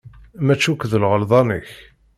Maci akk d lɣelḍa-nnek.